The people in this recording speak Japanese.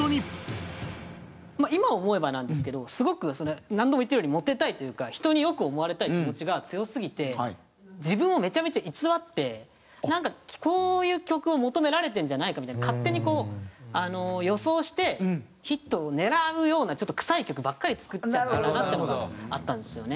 今思えばなんですけどすごく何度も言ってるようにモテたいというか人に良く思われたい気持ちが強すぎて自分をめちゃめちゃ偽ってこういう曲を求められてるんじゃないかみたいなのを勝手にこう予想してヒットを狙うようなちょっとくさい曲ばっかり作っちゃってたなってのがあったんですよね。